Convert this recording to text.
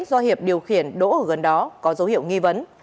do hiệp điều khiển đỗ ở gần đó có dấu hiệu nghi vấn